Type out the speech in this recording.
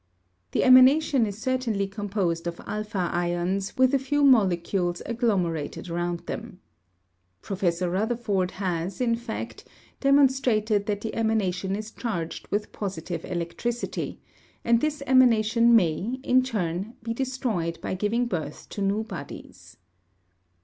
The emanation is certainly composed of alpha ions with a few molecules agglomerated round them. Professor Rutherford has, in fact, demonstrated that the emanation is charged with positive electricity; and this emanation may, in turn, be destroyed by giving birth to new bodies.